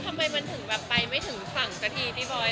ทำไมมันถึงแบบไปไม่ถึงฝั่งสักทีพี่บอย